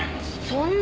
そんな。